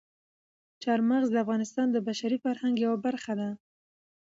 چار مغز د افغانستان د بشري فرهنګ یوه برخه ده.